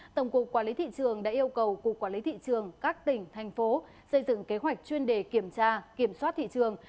tổng cục quản lý thị trường đã yêu cầu cục quản lý thị trường các tỉnh thành phố xây dựng kế hoạch chuyên đề kiểm tra kiểm soát thị trường